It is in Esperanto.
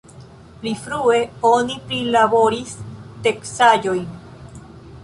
Pli frue oni prilaboris teksaĵojn.